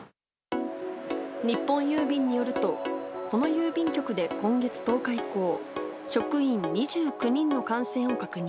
日本郵便によると、この郵便局で今月１０日以降、職員２９人の感染を確認。